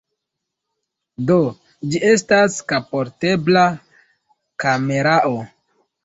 Do, ĝi estas kapportebla kamerao.